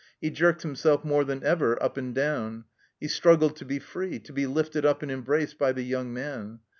He jerked himself more than ever up and down. He struggled to be free, to be lifted up and embraced by the young man.